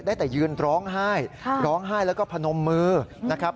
ได้แต่ยืนร้องไห้ร้องไห้แล้วก็พนมมือนะครับ